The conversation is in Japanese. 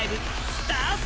スタート！